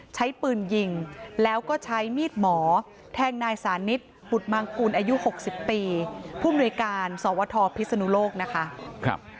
ใช้ปืนยิงแล้วก็ใช้มีดหมอแทงนายสานิทบุตรมหาลิงค์นะครับ